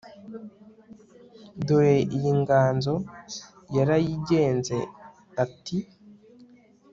Dore iyi nganzo yarayigenze Ati